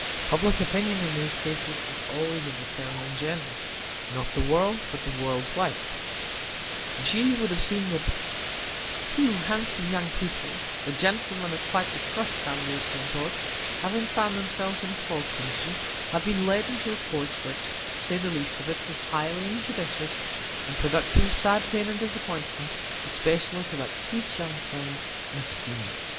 Public opinion, in these cases, is always of the feminine gender,—not the world, but the world's wife; and she would have seen that two handsome young people—the gentleman of quite the first family in St Ogg's—having found themselves in a false position, had been led into a course which, to say the least of it, was highly injudicious, and productive of sad pain and disappointment, especially to that sweet young thing, Miss Deane.